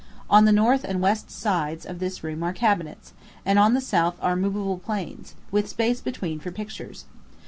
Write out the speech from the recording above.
On the north and west sides of this room are cabinets, and on the south are movable planes, with space between for pictures.